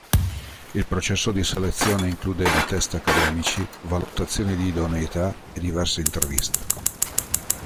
Il processo di selezione includeva test accademici, valutazioni di idoneità e diverse interviste.